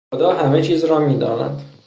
خدا همه چیز را میداند.